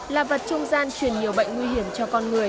là vật trung gian truyền nhiều bệnh nguy hiểm cho con người